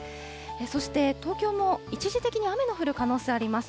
そして東京も一時的に雨の降る可能性あります。